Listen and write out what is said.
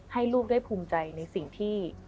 ให้ลูกได้ภูมิใจในสิ่งที่